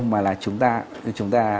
mà là chúng ta